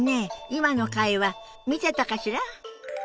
今の会話見てたかしら？